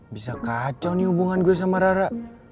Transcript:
bisa kacau nih hubungan gue sama rara